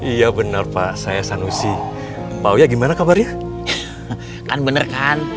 hai kan benerkan bapak bapak sanusi kan iya benar pak saya sanusi bau ya gimana kabarnya kan benerkan